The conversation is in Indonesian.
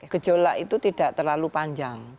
gejolak itu tidak terlalu panjang